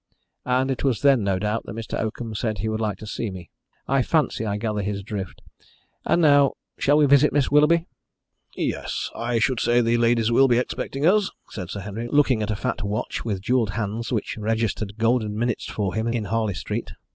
"And it was then, no doubt, that Mr. Oakham said he would like to see me. I fancy I gather his drift. And now shall we visit Miss Willoughby?" "Yes, I should say the ladies will be expecting us," said Sir Henry, looking at a fat watch with jewelled hands which registered golden minutes for him in Harley Street.